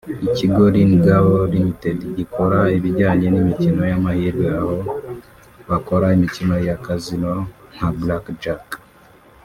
Ikigo Lin&Gao Ltd gikora ibijyanye n’imikino y’amahirwe aho bakora imikino ya Casino nka Black Jack